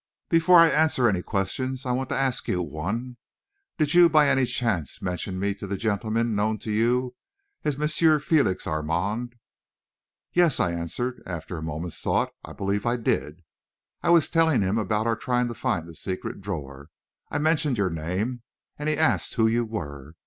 "Before I answer any questions, I want to ask you one. Did you, by any chance, mention me to the gentleman known to you as M. Félix Armand?" "Yes," I answered, after a moment's thought; "I believe I did. I was telling him about our trying to find the secret drawer I mentioned your name and he asked who you were.